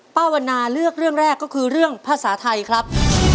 ป้าวันนาเลือกเรื่องแรกก็คือเรื่องภาษาไทยครับ